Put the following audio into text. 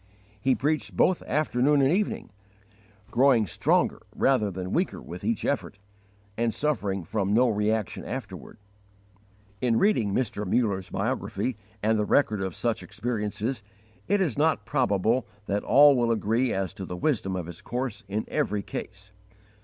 He preached both afternoon and evening, growing stronger rather than weaker with each effort, and suffering from no reaction afterward. In reading Mr. Muller's biography and the record of such experiences, it is not probable that all will agree as to the wisdom of his course in every case.